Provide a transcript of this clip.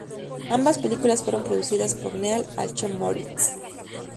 Ambas películas fueron producidas por Neal H. Moritz.